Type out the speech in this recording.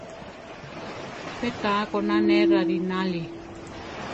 Pé taá koná ne rarináli.